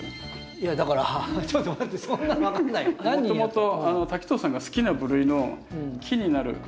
もともと滝藤さんが好きな部類の木になる。